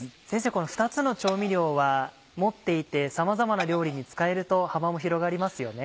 この２つの調味料は持っていてさまざまな料理に使えると幅も広がりますよね？